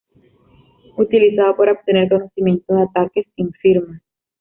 Utilizado para obtener conocimiento de ataques sin firma.